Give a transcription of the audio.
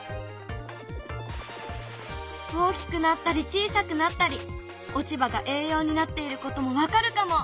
大きくなったり小さくなったり落ち葉が栄養になっていることも分かるかも！